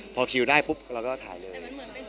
พอคิวได้ปุ๊บเราก็ถ่ายเลย